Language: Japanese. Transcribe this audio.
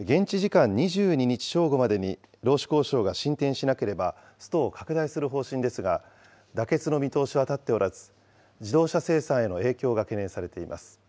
現地時間２２日正午までに労使交渉が進展しなければストを拡大する方針ですが、妥結の見通しは立っておらず、自動車生産への影響が懸念されています。